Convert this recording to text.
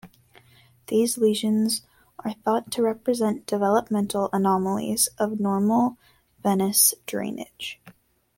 These lesions are thought to represent developmental anomalies of normal venous drainage.